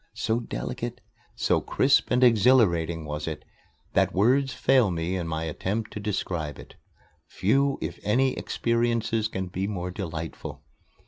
So delicate, so crisp and exhilarating was it that words fail me in my attempt to describe it. Few, if any, experiences can be more delightful.